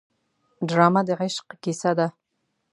ډرامه د عشق کیسه ده